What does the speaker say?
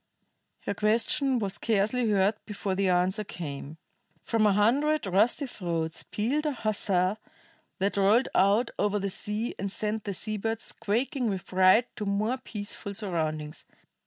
Her question was scarcely heard before the answer came. From a hundred rusty throats pealed a huzzah that rolled out over the sea and sent the sea birds squawking with fright to more peaceful surroundings.